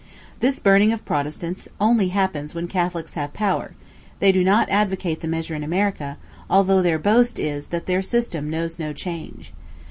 This burning of Protestants only happens when Catholics have power; they do not advocate the measure in America, although their boast is that their system knows no change.